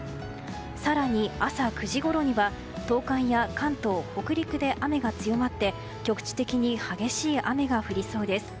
更に朝９時ごろには東海や関東、北陸で雨が強まって局地的に激しい雨が降りそうです。